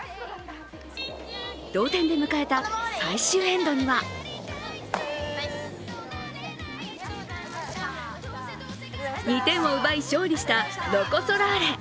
同点で迎えた最終エンドには２点を奪い勝利したロコ・ソラーレ。